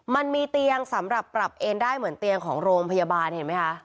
มันมีเตียงสำหรับปรับเอ็นได้เหมือนเตียงของโรงพยาบาลเห็นไหมคะ